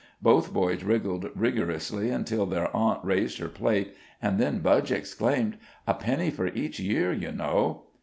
Both boys wriggled rigorously until their aunt raised her plate, and then Budge exclaimed: "A penny for each year, you know."